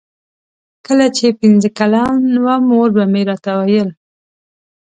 کله چې پنځه کلن وم مور به مې راته ویل.